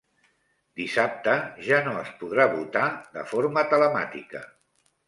Dissabte ja no es podrà votar de forma telemàtica.